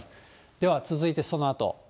では続いてそのあと。